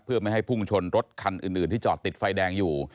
เพื่อไม่ให้พุ่งชนรถคันอื่นที่จอดติดไฟแดงอยู่